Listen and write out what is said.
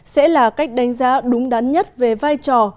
sẽ là cách đánh giá đúng đắn nhất về vai trò